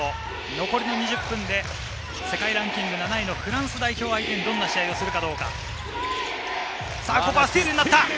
残りの２０分で世界ランキング７位のフランス代表相手にどんな試合をするか。